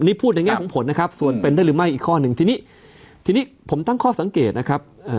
นี่พูดในแง่ของผลนะครับส่วนเป็นได้หรือไม่อีกข้อหนึ่งทีนี้ทีนี้ผมตั้งข้อสังเกตนะครับ